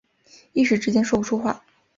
一时之间说不出话